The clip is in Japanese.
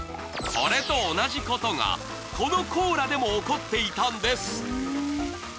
これと同じことがこのコーラでも起こっていたんです。